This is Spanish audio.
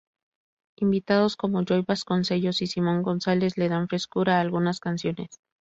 Invitados como Joe Vasconcellos y Simón González, le dan frescura a algunas canciones.